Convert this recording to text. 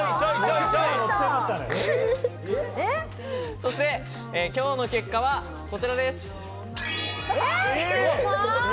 そして今日の結果はこちらです。